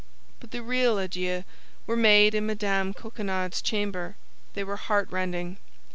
But the real adieux were made in Mme. Coquenard's chamber; they were heartrending.